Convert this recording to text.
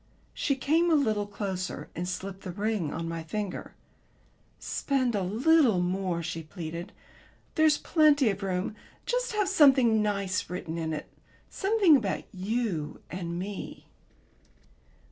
She came a little closer and slipped the ring on my finger. "Spend a little more," she pleaded. "There's plenty of room. Just have something nice written in it something about you and me."